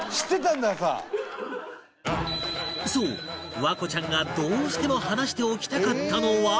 そう環子ちゃんがどうしても話しておきたかったのは